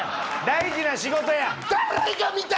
大事な仕事や！